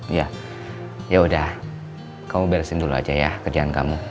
iya yaudah kamu beresin dulu aja ya kerjaan kamu